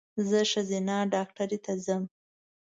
زه ښځېنه ډاکټر ته ځم